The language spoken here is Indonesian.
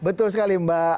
betul sekali mbak